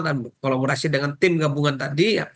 dan kolaborasi dengan tim gabungan tadi